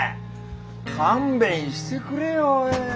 勘弁してくれよ！